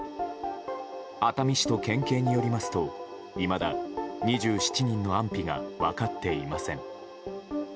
熱海市と県警によりますといまだ２７人の安否が分かっていません。